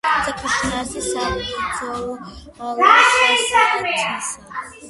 ცეკვის შინაარსი საბრძოლო ხასიათისაა.